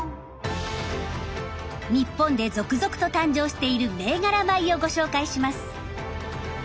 日本で続々と誕生している銘柄米をご紹介します。